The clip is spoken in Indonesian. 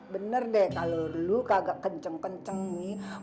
bener deh kalau dulu kagak kenceng kenceng nih